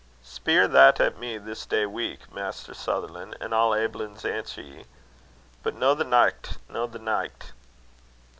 "Spier that at me this day week, Maister Sutherlan', an' I'll aiblins answer ye; but no the nicht, no the nicht."